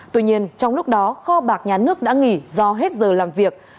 tuy nhiên trong lúc đó kho bạc nhà nước đã nghỉ do hết giờ làm việc